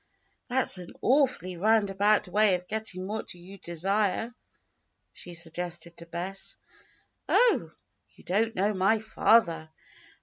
"That's an awfully roundabout way of getting what you desire," she suggested to Bess. "Oh! you don't know my father.